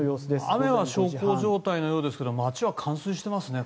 雨は小康状態のようですが町は冠水していますね